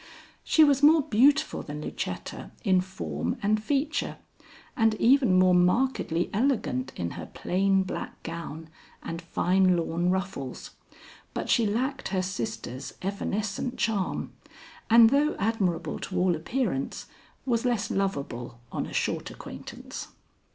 She was more beautiful than Lucetta in form and feature, and even more markedly elegant in her plain black gown and fine lawn ruffles, but she lacked her sister's evanescent charm, and though admirable to all appearance, was less lovable on a short acquaintance.